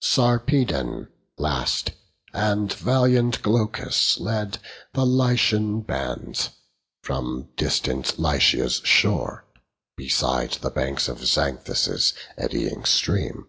Sarpedon last, and valiant Glaucus led The Lycian bands, from distant Lycia's shore, Beside the banks of Xanthus' eddying stream.